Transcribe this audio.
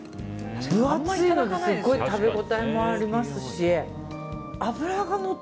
分厚いのですごい食べ応えもありますし。